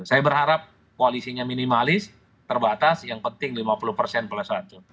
saya berharap koalisinya minimalis terbatas yang penting lima puluh persen plus satu